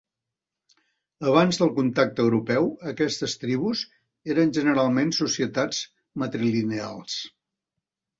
Abans del contacte europeu, aquestes tribus eren generalment societats matrilineals.